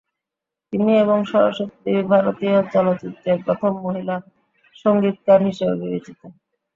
তিনি এবং সরস্বতী দেবী ভারতীয় চলচ্চিত্রের প্রথম মহিলা সংগীতকার হিসাবে বিবেচিত।